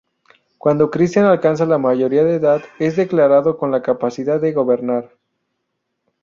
Cuando Cristián alcanza la mayoría de edad, es declarado con la capacidad de gobernar.